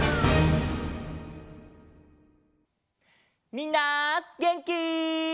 みんなげんき？